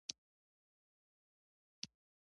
محمد حسین یمین د افغانستان تاریخي په نوم کتاب لیکلی دی